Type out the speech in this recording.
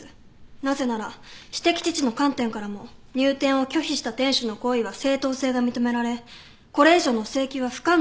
なぜなら私的自治の観点からも入店を拒否した店主の行為は正当性が認められこれ以上の請求は不可能だからです。